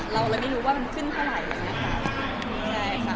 เราเลยไม่รู้ว่ามันขึ้นเท่าไหร่เลยนะคะ